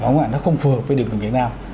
nó không phù hợp với đường của việt nam